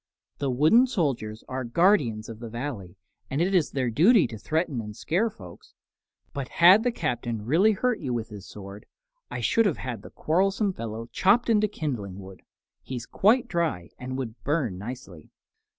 "The wooden soldiers are guardians of the Valley, and it is their duty to threaten and scare folks. But had the Captain really hurt you with his sword, I should have had the quarrelsome fellow chopped into kindling wood. He's quite dry and would burn nicely."